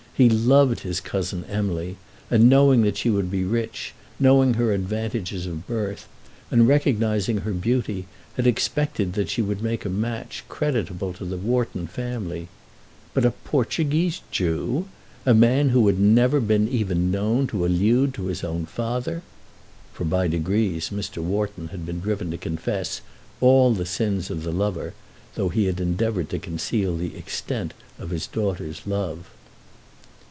He loved his cousin Emily, and, knowing that she would be rich, knowing her advantages of birth, and recognizing her beauty, had expected that she would make a match creditable to the Wharton family. But a Portuguese Jew! A man who had never been even known to allude to his own father! For by degrees Mr. Wharton had been driven to confess all the sins of the lover, though he had endeavoured to conceal the extent of his daughter's love.